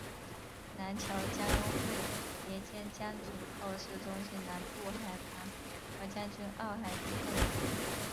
南桥将会连接将军澳市中心南部海旁和将军澳海滨公园。